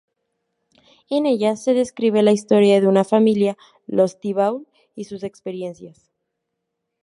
En ella se describe la historia de una familia, los Thibault, y sus experiencias.